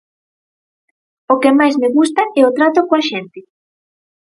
O que máis me gusta é o trato coa xente.